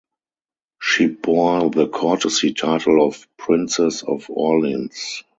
She bore the courtesy title of Princess of Orleans.